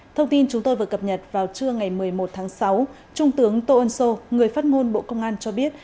thông tin chúng tôi vừa cập nhật vào trưa ngày một mươi một tháng sáu trung tướng tô ân sô người phát ngôn bộ công an cho biết